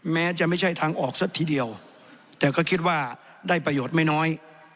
แม้จะไม่ใช่ทางออกซะทีเดียวแต่ก็คิดว่าได้ประโยชน์ไม่น้อย